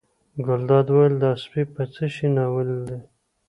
ګلداد وویل دا سپی په څه شي ناولی دی.